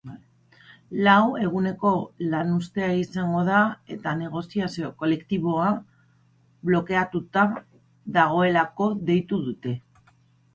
Lau eguneko lanuztea izango da, eta negoziazio kolektiboa blokeatuta dagoelako deitu dute.